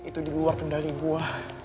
itu di luar pendali gue